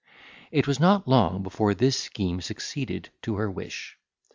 It was not long before this scheme succeeded to her wish.